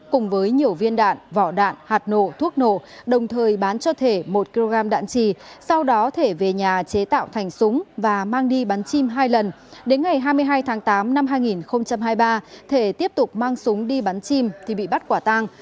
cùng với nhiều viên đạn vỏ đạn hạt nổ thuốc nổ đồng thời bán cho thể một kg đạn trì sau đó thể về nhà chế tạo thành súng và mang đi bắn chim hai lần đến ngày hai mươi hai tháng tám năm hai nghìn hai mươi ba thể tiếp tục mang súng đi bắn chim thì bị bắt quả tang